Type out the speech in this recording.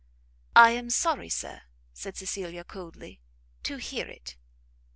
"I am sorry, Sir," said Cecilia coldly, "to hear it."